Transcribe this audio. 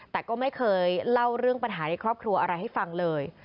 แต่ก็ไม่เคยเล่าเรื่องปัญหาในครอบครัวอะไรให้ฟังเลย